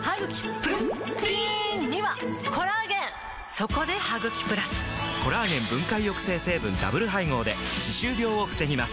そこで「ハグキプラス」！コラーゲン分解抑制成分ダブル配合で歯周病を防ぎます